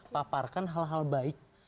paparkan hal hal baik